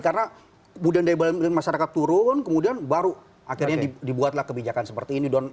kemudian dari masa dekat turun kemudian baru akhirnya dibuatlah kebijakan seperti ini